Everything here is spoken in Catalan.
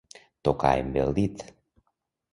Tocar amb el dit.